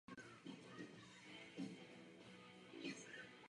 Za druhé světové války byl velitelem spojeneckých vojsk bojujících v Pacifiku.